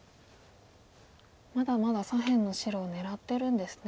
まだまだ左辺の白を狙ってるんですね。